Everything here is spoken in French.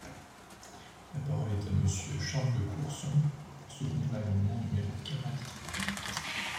La parole est à Monsieur Charles de Courson, pour soutenir l’amendement numéro quarante-quatre.